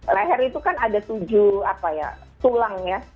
leher itu kan ada tujuh apa ya tulang ya